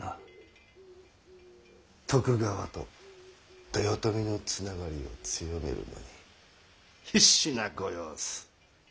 徳川と豊臣のつながりを強めるのに必死なご様子。